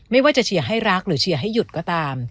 ไม่ว่าจะเชียร์ให้รักหรือเชียร์ให้หยุดก็ตาม